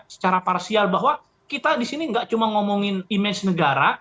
secara parsial bahwa kita disini nggak cuma ngomongin image negara